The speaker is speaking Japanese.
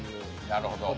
なるほど。